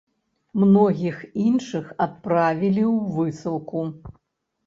Многіх іншых адправілі ў высылку.